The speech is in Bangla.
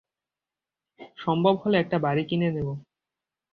সম্ভব হলে একটা বাড়ি কিনে নেব।